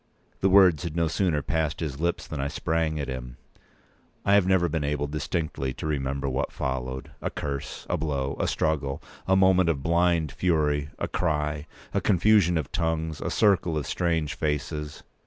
The words had no sooner passed his lips than I sprang at him. I have never been able distinctly to remember what followed. A curse—a blow—a struggle—a moment of blind fury—a cry—a confusion of tongues—a circle of strange faces.